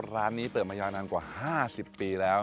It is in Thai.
ร้านนี้เปิดมายาวนานกว่า๕๐ปีแล้ว